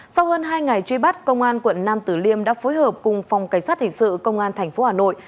sau hơn hai ngày truy bắt công an quận nam tử liêm đã phối hợp cùng phòng cảnh sát hình sự công an tp hà nội